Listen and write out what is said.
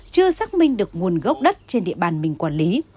chưa xác minh được nguồn gốc đất trên địa bàn mình quản lý